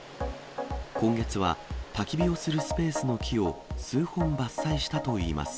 今月はたき火をするスペースの木を数本伐採したといいます。